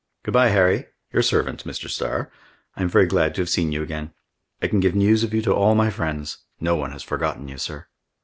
"Good by, Harry! Your servant, Mr. Starr. I am very glad to have seen you again! I can give news of you to all my friends. No one has forgotten you, sir."